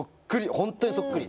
本当にそっくり。